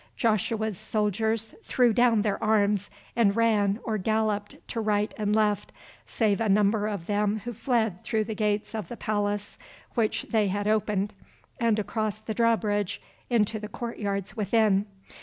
Joshua's soldiers threw down their arms, and ran or galloped to right and left, save a number of them who fled through the gates of the palace, which they had opened, and across the drawbridge into the courtyards within.